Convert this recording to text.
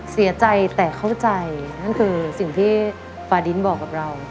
เสียใจแต่เข้าใจนั่นคือสิ่งที่ฟาดินบอกกับเรา